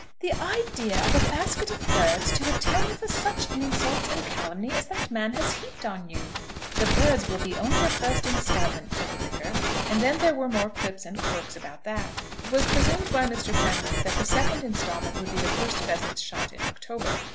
"The idea of a basket of birds to atone for such insults and calumny as that man has heaped on you!" "The birds will be only a first instalment," said the Vicar, and then there were more quips and quirks about that. It was presumed by Mr. Fenwick that the second instalment would be the first pheasants shot in October.